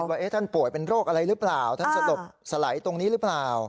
ว่าท่านป่วยเป็นโรคอะไรหรือเปล่าท่านสลบสไหลตรงนี้หรือเปล่า